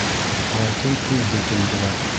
Алтын күҙҙе тондора.